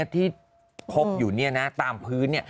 ที่พบอยู่ตามพื้น